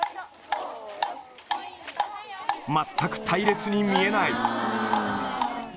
全く隊列に見えない。